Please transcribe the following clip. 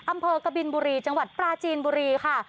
อำเภอกบินบุรีจังหวัดปลาจีนบุรีค่ะ